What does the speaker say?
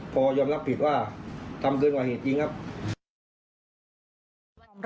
พอยอมรับผิดว่าทำเกินกว่าเหตุจริงครับ